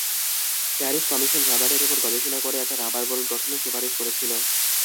Tariff commission রাবারের ওপর গবেষণা করে একটা রাবার বোর্ড গঠনের সুপারিশ করেছিল।